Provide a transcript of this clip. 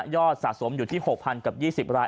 สะสมอยู่ที่๖๐๐กับ๒๐ราย